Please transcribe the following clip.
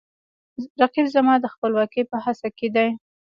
رقیب زما د خپلواکۍ په هڅه کې دی